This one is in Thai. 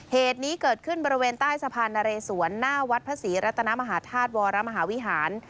เหตุนี้เกิดขึ้นบริเวณใต้สะพานนะเรสวนหน้าวัดพระศรีรัตนมหาธาตุวรมหาวิหาร